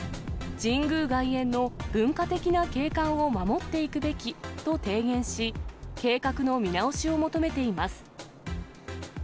神宮外苑の文化的な景観を守っていくべきと提言し、計画の見直しを求めています。